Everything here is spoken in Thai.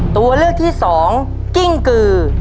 ตัวเลือกที่สองกิ้งกือ